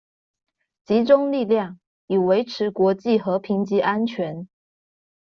集中力量，以維持國際和平及安全